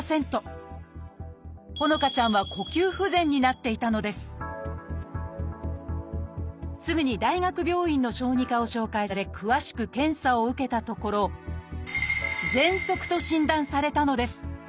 帆乃花ちゃんは呼吸不全になっていたのですすぐに大学病院の小児科を紹介され詳しく検査を受けたところ「ぜんそく」と診断されたのです。